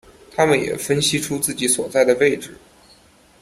他们也分析出自己所在的位置。